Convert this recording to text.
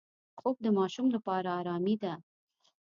خوب د ماشوم لپاره آرامي ده